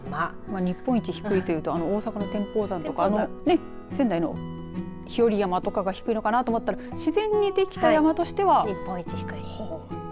日本一低いというと大阪の天保山とか仙台の日和山とか低いのかなと思ったら自然にできた山としては日本一低い。